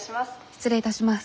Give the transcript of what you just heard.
失礼いたします。